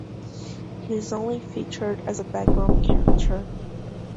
He is only featured as a background character.